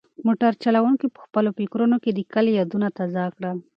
موټر چلونکي په خپلو فکرونو کې د کلي یادونه تازه کړل.